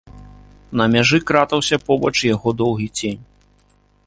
На мяжы кратаўся побач яго доўгі цень.